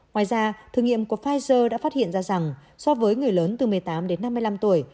ngoài ra thử nghiệm của pfizer đã phát hiện ra rằng so với người lớn từ một mươi tám đến năm mươi năm tuổi